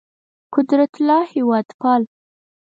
قدرت الله هېوادپال